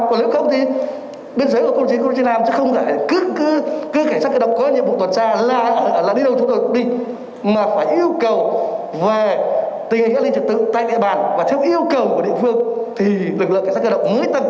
còn nếu không thì biên giới của công an làm chứ không phải cứ cảnh sát cơ động có nhiệm vụ tuần tra là đi đâu chúng ta đi